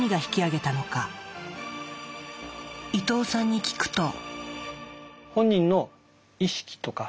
伊藤さんに聞くと。